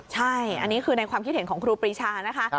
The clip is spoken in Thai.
ใช่อันนี้คือในความคิดเห็นของครูปรีชานะคะ